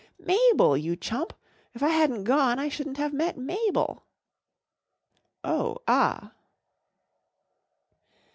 1 Mabel, you chump* If 1 hadn't gone I shouldn't have met Mabel/' 11 Oh, ah